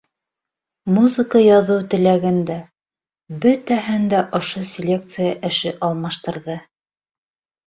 Музыка яҙыу теләген дә - бөтәһен дә ошо селекция эше алмаштырҙы.